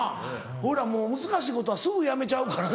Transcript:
俺らもう難しいことはすぐやめちゃうからね。